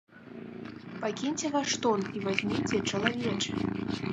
Пакіньце ваш тон і вазьміце чалавечы!